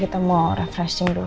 kita mau refreshing dulu